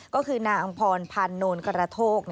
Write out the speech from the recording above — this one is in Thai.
ก็คือนางพลพันนนต์กรทก